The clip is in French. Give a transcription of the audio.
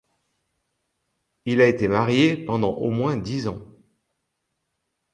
Il a été marié pendant au moins dix ans.